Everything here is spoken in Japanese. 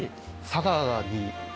佐賀に。